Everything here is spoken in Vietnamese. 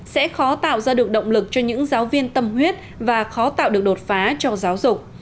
sẽ khó tạo ra được động lực cho những giáo viên tâm huyết và khó tạo được đột phá cho giáo dục